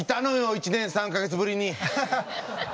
１年３か月ぶりに！